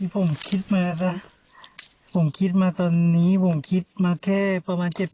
ผมคิดมาตอนนี้ผมคิดมาแค่ประมาณ๗๘วันครับ